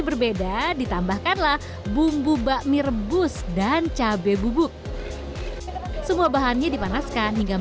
berbeda ditambahkanlah bumbu bakmi rebus dan cabai bubuk semua bahannya dipanaskan hingga